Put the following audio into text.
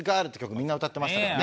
みんな歌ってましたからね。